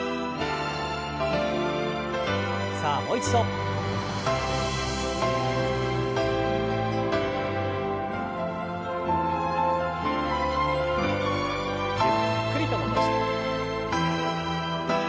さあもう一度。ゆっくりと戻して。